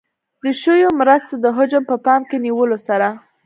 د شویو مرستو د حجم په پام کې نیولو سره.